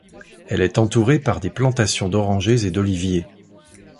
Elle est entourée par des plantations d'orangers et d'oliviers.